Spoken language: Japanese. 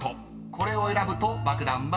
これを選ぶと爆弾は爆発］